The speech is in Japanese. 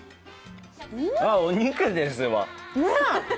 あ、お肉ですわ。